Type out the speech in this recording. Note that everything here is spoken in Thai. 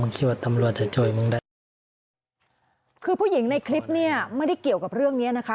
คือผู้หญิงในคลิปนี่ไม่ได้เกี่ยวกับเรื่องนี้นะคะ